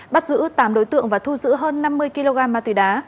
bắt giữ tám đối tượng và thu giữ hơn năm mươi kg ma túy đá